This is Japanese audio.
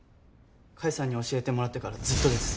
甲斐さんに教えてもらってからずっとです。